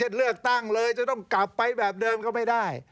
เลือกตั้งเลยจะต้องกลับไปแบบเดิมก็ไม่ได้